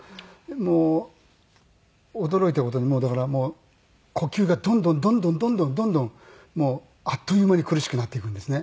もう驚いた事にだから呼吸がどんどんどんどんどんどんどんどんあっという間に苦しくなっていくんですね。